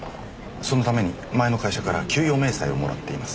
そのために前の会社から給与明細をもらっています。